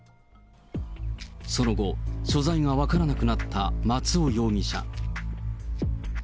その後、所在が分からなくなった松尾容疑者。